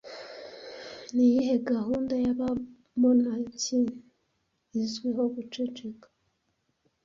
Niyihe gahunda y'abamonaki izwiho guceceka